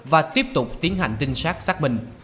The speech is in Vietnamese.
và tiếp tục tiến hành tinh sát xác minh